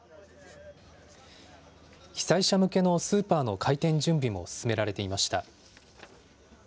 被災者向けのスーパーの開店準備も進められていました。